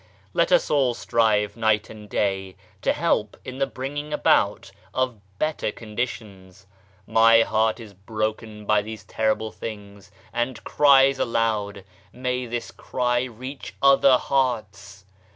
Let us all strive night and day to help in the bringing ibout of better conditions. My heart is broken by these SMALLNESS OF OUR NUMBERS 107 terrible things and cries aloud may this cry reach other hearts